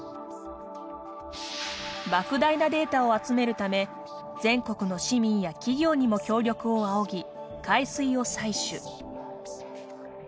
莫大なデータを集めるため全国の市民や企業にも協力を仰ぎ海水を採取。